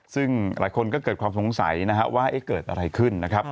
ซึ่งหลายคนก็เกิดความสงสัยนะฮะว่าเกิดอะไรขึ้นนะครับ